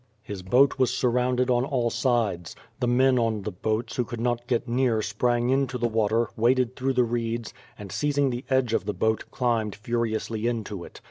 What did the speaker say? His boat was sur rounded on all sides. The men on the boats who could not get near sprang into the water, waded through the reeds, and, seizing the edge of the boat, climbed furiously into it.